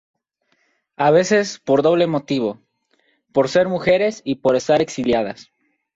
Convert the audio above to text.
A veces, por doble motivo: por ser mujeres y por estar exiliadas.